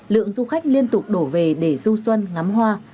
lượng du khách liên tục đổ về để du xuân ngắm hoa